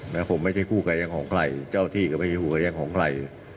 แล้วผมไม่ใช่คู่กายยังของใครเจ้าที่ก็ไม่ใช่หัวแย่งของใคร